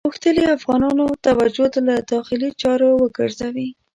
غوښتل یې افغانانو توجه له داخلي چارو وګرځوي.